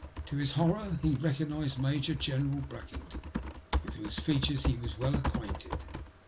To his horror he recognised Major General BracMngton, with whose features he was well acquainted.